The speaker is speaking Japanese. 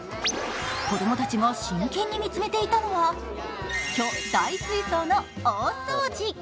子供たちが真剣に見つめていたのは巨大水槽の大掃除。